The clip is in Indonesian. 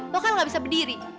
lo kan lo nggak bisa berdiri